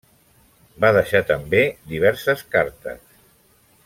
Va deixar també diverses cartes.